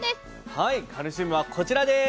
はいカルシウムはこちらです。